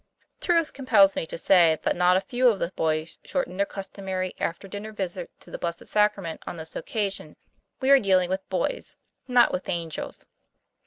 Truth compels me to say that not a few of the boys shortened their customary after dinner visit to the Blessed Sacrament on this occasion; we are dealing with boys, not with angels.